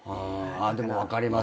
でも分かります。